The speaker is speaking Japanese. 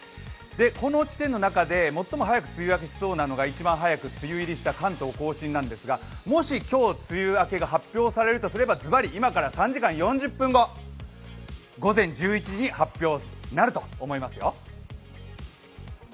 この地点の中で最も早く梅雨明けするのは一番早く梅雨入りした関東甲信なんですが、もし今日梅雨明けが発表されるとすればズバリ今から３時間４０分後、午前１１時に発表になると思いますよ。